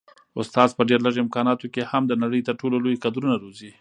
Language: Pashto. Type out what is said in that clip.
استاد په ډېر لږ امکاناتو کي هم د نړۍ تر ټولو لوی کدرونه روزي.